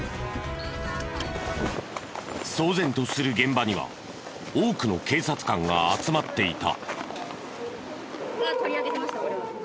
騒然とする現場には多くの警察官が集まっていた。